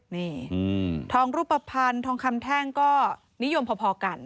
นี่ทองรูปภัณฑ์ทองคำแท่งก็นิยมพอกัน